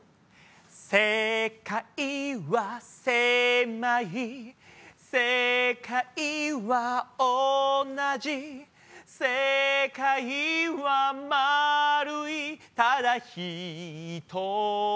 「せかいはせまいせかいはおなじ」「せかいはまるいただひとつ」